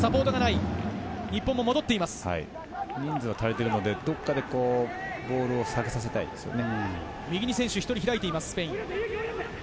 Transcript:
人数は足りているので、どこかでボールを下げさせたいですね。